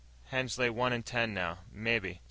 Hens lay one in ten now, mebbe.